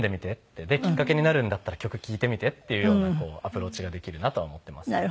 できっかけになるんだったら曲聴いてみてっていうようなアプローチができるなとは思ってますね。